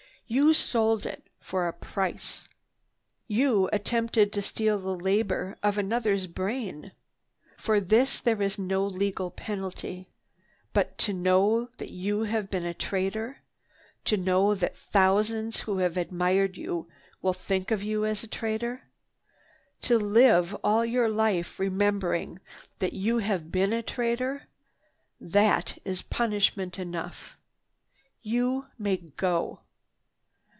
You sold it for a price. You attempted to steal the labor of another's brain. For this there is no legal penalty. But to know that you have been a traitor, to know that thousands who have admired you will think of you as a traitor, to live all your life remembering that you have been a traitor, that is punishment enough. You may go."